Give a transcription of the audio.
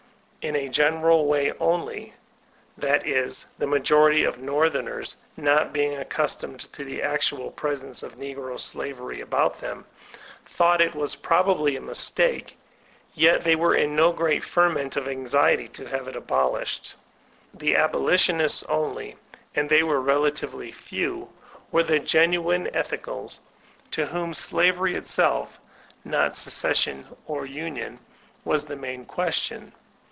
In a general way only ; that is, the majority of northerners, not being accustomed to the actual presence of negro slavery about them, thought it was probably a mistake; yet they were in no great ferment of anxiety to have it abolished. The DntECT Action 227 only, and they were relatively few, were the genuine ethicals, to whom slavery itself — not seces sion or onion — ^was the main question.